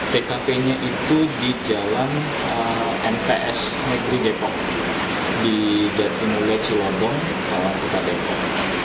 tkp nya itu di jalan mps negeri depok di jatimule cilodong tawang kota depok